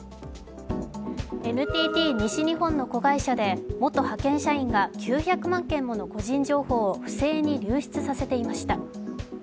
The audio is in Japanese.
ＮＴＴ西日本の子会社で元派遣社員が９００万件もの個人情報を不正に流出させていました。